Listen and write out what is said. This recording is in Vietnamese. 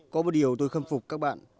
có một điều tôi khâm phục các bạn